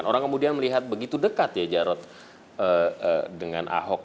orang kemudian melihat begitu dekat ya jarod dengan ahok